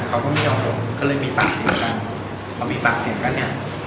เขาก็ไม่ยอมหลบก็เลยมีปากเสียงกันพอมีปากเสียงกันเนี่ย